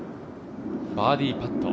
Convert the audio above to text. バーディーパット。